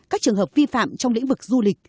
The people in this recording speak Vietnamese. các trường hợp vi phạm trong lĩnh vực du lịch